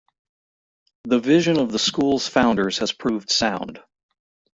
The vision of the School's founders has proved sound.